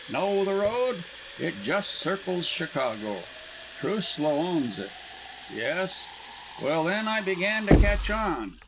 Know the road? It just circles Chicago. Truslow owns it. Yes? Well, then I began to catch on.